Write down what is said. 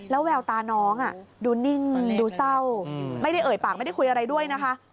แล้วแววตาน้องดูนิ่งดูเศร้าไม่ได้เอ่ยปากไม่ได้คุยอะไรด้วยนะคะ